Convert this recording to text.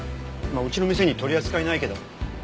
まあうちの店に取り扱いないけど。